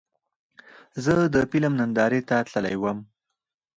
زه د فلم نندارې ته تللی وم.